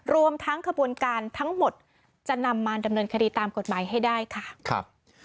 รวมทั้งขบวนการทั้งหมดจะนำมาดำเนินคดีตามกฎหมายให้ได้ค่ะครับ